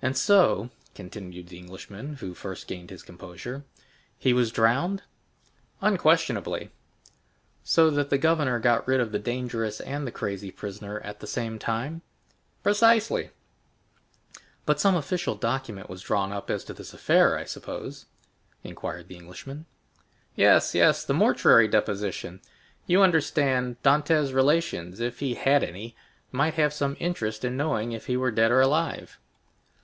"And so," continued the Englishman who first gained his composure, "he was drowned?" "Unquestionably." "So that the governor got rid of the dangerous and the crazy prisoner at the same time?" "Precisely." 20027m "But some official document was drawn up as to this affair, I suppose?" inquired the Englishman. "Yes, yes, the mortuary deposition. You understand, Dantès' relations, if he had any, might have some interest in knowing if he were dead or alive."